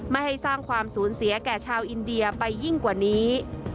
ไม่ให้สร้างความสูญเสียแก่ชาวอินเดียไปยิ่งกว่านี้